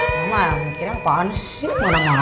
mana mana deh otaknya